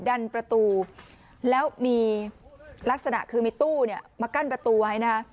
ดันประตูแล้วมีลักษณะคือมีตู้เนี่ยมากั้นประตูไว้นะคะ